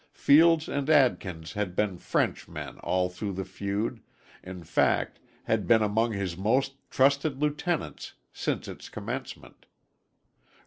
Fields and Adkins had been French men all through the feud, in fact, had been among his most trusted lieutenants since its commencement.